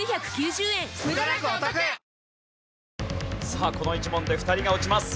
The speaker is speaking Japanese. さあこの１問で２人が落ちます。